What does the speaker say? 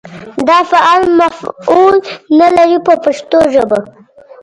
دا فعل مفعول نه لري په پښتو ژبه.